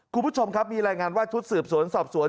คุณผู้ชมครับมีรายงานว่าชุดสืบสวนสอบสวน